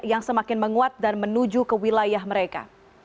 yang semakin menguat dan menuju ke wilayah mereka